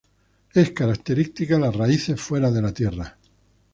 Es característica las raíces fuera de la tierra.